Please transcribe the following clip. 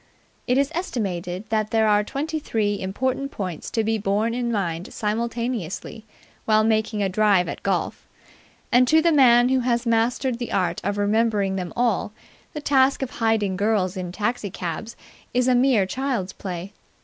It is estimated that there are twenty three important points to be borne in mind simultaneously while making a drive at golf; and to the man who has mastered the art of remembering them all the task of hiding girls in taxicabs is mere child's play.